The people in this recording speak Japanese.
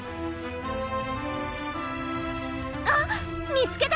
あっ見つけた！